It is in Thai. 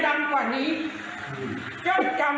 คุณศักดิ์ไหม